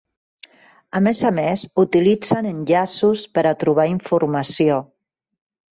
A més a més, utilitzen enllaços per a trobar informació.